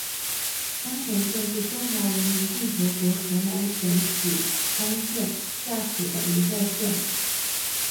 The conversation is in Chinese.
襄城县是中华人民共和国河南省许昌市下属的一个县。